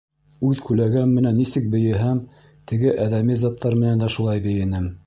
Үҙ күләгәм менән нисек бейеһәм, теге әҙәми заттар менән дә шулай бейенем.